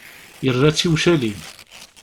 Yerra-tt i ucali.